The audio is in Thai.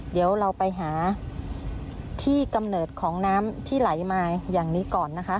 เดี๋ยวเราไปหาที่กำเนิดของน้ำที่ไหลมาอย่างนี้ก่อนนะคะ